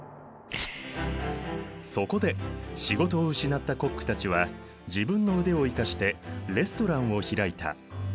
そこで仕事を失ったコックたちは自分の腕を生かしてレストランを開いた。